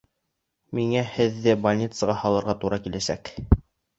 Миңә һеҙҙе больницаға һалырға тура киләсәк